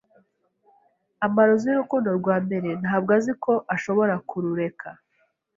Amarozi y'urukundo rwa mbere ntabwo azi ko ashobora kurureka